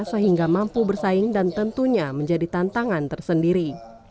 sehingga mampu bersaing dan tentunya menjadi tantangan tersendiri